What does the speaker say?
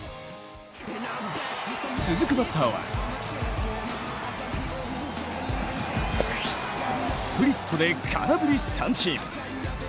続くバッターはスプリットで空振り三振。